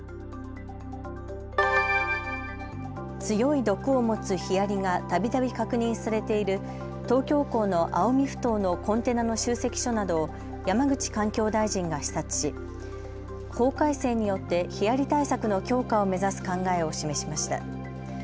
強い毒を持つヒアリがたびたび確認されている東京港の青海ふ頭のコンテナの集積所などを山口環境大臣が視察し法改正によってヒアリ対策の強化を目指す考えを示しました。